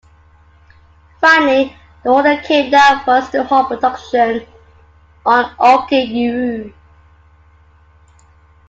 Finally the order came down for us to halt production on "Aoki Uru".